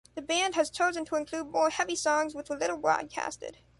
The band has chosen to include more “heavy” songs which were little broadcasted.